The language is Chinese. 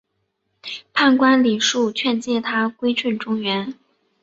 判官李恕劝谏他归顺中原。